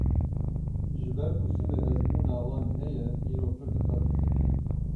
Ji ber ku sibê ezmûna wan heye, îro pir dixebitin.